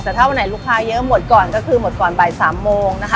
แต่ถ้าวันไหนลูกค้าเยอะหมดก่อนก็คือหมดก่อนบ่าย๓โมงนะคะ